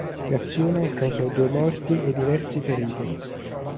L'azione causò due morti e diversi feriti.